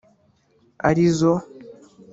ari zo